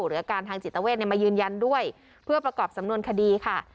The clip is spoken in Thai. อาการทางจิตเวทมายืนยันด้วยเพื่อประกอบสำนวนคดีค่ะ